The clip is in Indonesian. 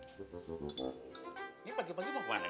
ini pagi pagi mau kemana